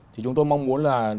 thì chúng tôi mong muốn là